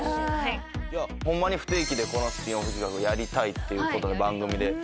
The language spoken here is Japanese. ホンマに不定期でこのスピンオフ企画やりたいっていうことで番組で。